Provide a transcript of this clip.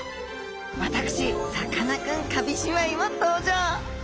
私さかなクン紙芝居も登場！